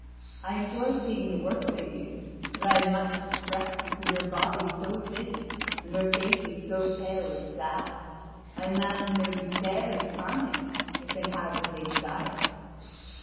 I enjoy seeing the work they do, but I am much distressed to see their bodies so thin, and their faces so pale and sad. I imagine they would be fair and charming, if they had what they desire."